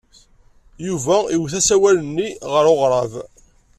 Yuba iwet asawal-nni ɣer uɣrab.